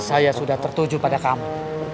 saya sudah tertuju pada kami